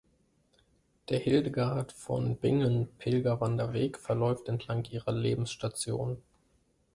Der Hildegard-von-Bingen-Pilgerwanderweg verläuft entlang ihrer Lebensstationen.